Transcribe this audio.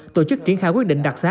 tổ chức triển khai quyết định đặc xá